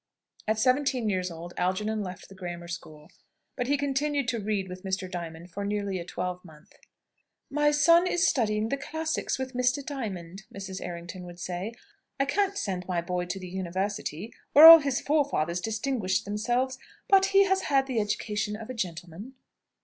At seventeen years old Algernon left the Grammar School. But he continued to "read" with Mr. Diamond for nearly a twelvemonth. "My son is studying the classics with Mr. Diamond," Mrs. Errington would say; "I can't send my boy to the University, where all his forefathers distinguished themselves. But he has had the education of a gentleman."